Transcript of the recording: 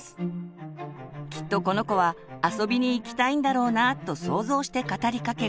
「きっとこの子は遊びに行きたいんだろうなぁ」と想像して語りかける。